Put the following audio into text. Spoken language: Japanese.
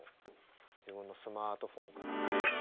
自分のスマートフォンから。